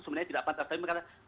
sebenarnya tidak pantas tapi karena